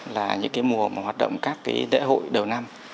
là những cái mùa mà hoạt động các cái lễ hội đầu năm